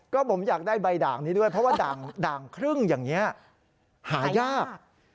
ก็ผมอยากได้ใบด่างนี้ด้วยเพราะว่าด่างครึ่งอย่างนี้หายาก